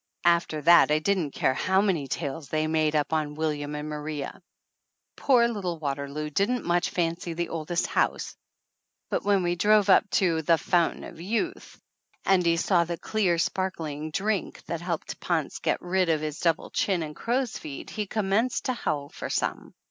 After that I didn't care how many tales they made up on William and Maria ! 263 THE ANNALS OF ANN Poor little Waterloo didn't much fancy the oldest house, but when we drove up to "The Fountain of Youth," and he saw the clear, sparkling "drink" that helped Ponce get rid of his double chin and crow's feet he commenced to howl for some.